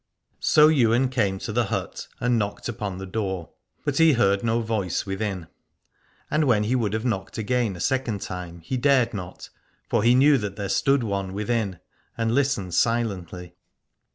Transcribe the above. So Ywain came to the hut, and knocked upon the door : but he heard no voice within. And when he would have knocked again a second time he dared not : for he knew that there stood one within and listened silently.